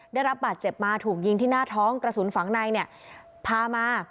ได้รับบาดเจ็บมาถูกยิงที่หน้าท้องกระสุนฝังในเนี่ยพามา